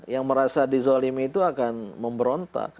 yang merasa dizolimi itu akan memberontak